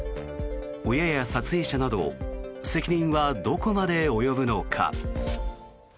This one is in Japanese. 親や撮影者など責任はどこまで及ぶのか。